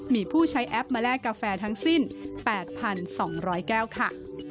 มีผู้ใช้แอปมาแลกกาแฟทั้งสิ้น๘๒๐๐แก้วค่ะ